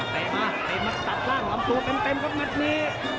มาเตะมาตัดล่างลำตัวเต็มครับมัดนี้